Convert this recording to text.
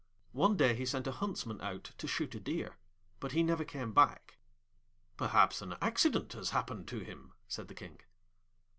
One day he sent a Huntsman out to shoot a deer, but he never came back. 'Perhaps an accident has happened to him,' said the King.